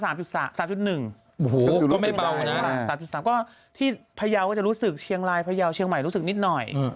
โอ้โหก็ไม่เบานะ๓๓ก็ที่พยาวก็จะรู้สึกเชียงรายพยาวเชียงใหม่รู้สึกนิดหน่อย